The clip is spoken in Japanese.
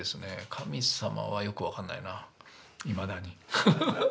神様はよく分かんないないまだに。